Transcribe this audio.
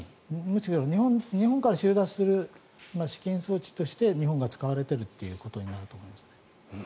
むしろ日本から収奪する資金装置として日本が使われているということになると思います。